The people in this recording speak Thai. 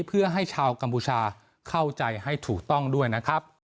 เพื่อให้ชาวกัมพูชาเข้าใจให้ถูกต้องด้วยนะครับ